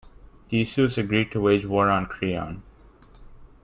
Theseus agrees to wage war on Creon.